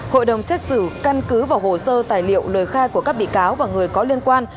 hội đồng xét xử căn cứ vào hồ sơ tài liệu lời khai của các bị cáo và người có liên quan